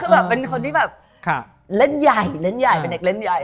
ตอนนี้แบบเล่นใหญ่เป็นเด็กเล่นใหญ่